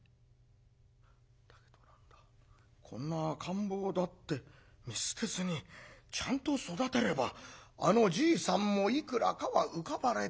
だけど何だこんな赤ん坊だって見捨てずにちゃんと育てればあのじいさんもいくらかは浮かばれてくれよう」。